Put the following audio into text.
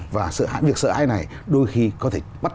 và việc sợ hãi này đôi khi có thể